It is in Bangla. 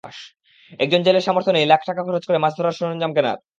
একজন জেলের সামর্থ্য নেই লাখ টাকা খরচ করে মাছ ধরার সরঞ্জাম কেনার।